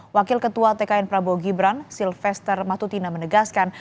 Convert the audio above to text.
wakil ketua tkn prabowo gibran silvester matutina menegaskan